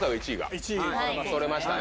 １位取れましたね。